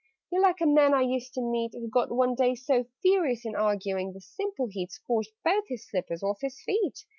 "You're like a man I used to meet, Who got one day so furious In arguing, the simple heat Scorched both his slippers off his feet!"